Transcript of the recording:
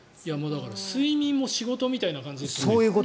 睡眠も仕事みたいな感じですね。